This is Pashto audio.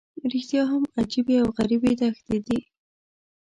رښتیا هم عجیبې او غریبې دښتې دي.